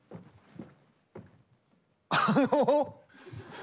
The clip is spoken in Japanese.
あの。